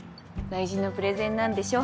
大事なプレゼンなんでしょ。